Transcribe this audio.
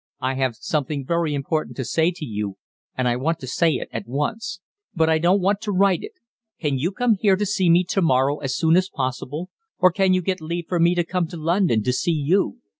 "I have something very important to say to you, and I want to say it at once. But I don't want to write it. Can you come here to see me to morrow as soon as possible, or can you get leave for me to come to London to see you?